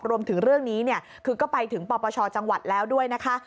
รวมถึงเรื่องนี้เนี่ยคือก็ไปถึงปปชจังหวัดแล้วด้วยนะคะ